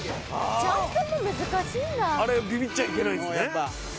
あれびびっちゃいけないんですね。